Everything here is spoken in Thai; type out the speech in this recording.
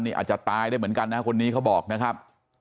นี่อาจจะตายได้เหมือนกันนะคนนี้เขาบอกนะครับ